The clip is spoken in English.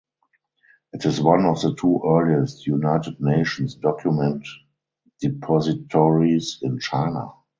It is one of the two earliest United Nations document depositories in China.